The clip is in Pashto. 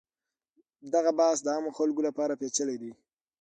دغه بحث د عامو خلکو لپاره پیچلی دی.